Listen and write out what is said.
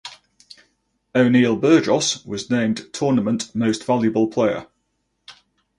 O’Neill Burgos was named Tournament Most Valuable Player.